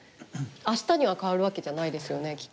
明日には変わるわけじゃないですよねきっと。